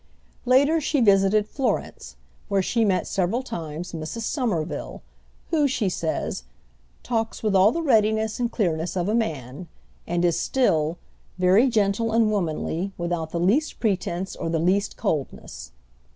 Later she visited Florence, where she met, several times, Mrs. Somerville, who, she says, "talks with all the readiness and clearness of a man," and is still "very gentle and womanly, without the least pretence or the least coldness."